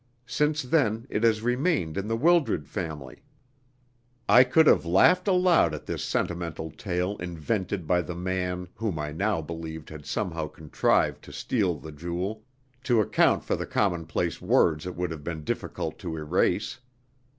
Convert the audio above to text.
Since then it has remained in the Wildred family." I could have laughed aloud at this sentimental tale invented by the man (whom I now believed had somehow contrived to steal the jewel) to account for the commonplace words it would have been difficult to erase.